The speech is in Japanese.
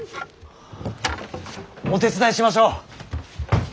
お手伝いしましょう。